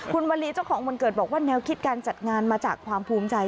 คุณวลีเจ้าของวันเกิดบอกว่าแนวคิดการจัดงานมาจากความภูมิใจ